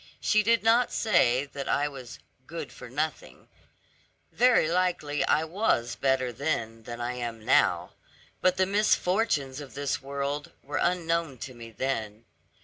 She did not say that I was 'good for nothing;' very likely I was better then than I am now; but the misfortunes of this world, were unknown to me then.